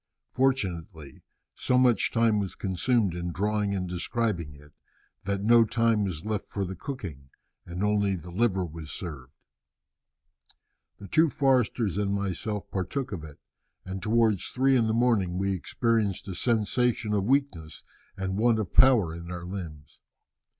Fortunately so much time was consumed in drawing and describing it that no time was left for the cooking, and only the liver was served. "The two Forsters and myself partook of it, and towards three in the morning we experienced a sensation of weakness and want of power in our limbs.